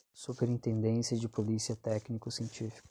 Superintendência de polícia técnico-científica